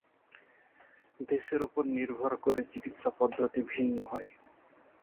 দেশের উপর নির্ভর করে চিকিৎসা পদ্ধতি ভিন্ন হয়।